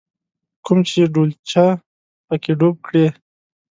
کوم چې ډولچه په کې ډوب کړې.